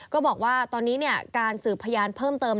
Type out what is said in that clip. ก็บอกว่าตอนนี้การสืบพยานเพิ่มเติม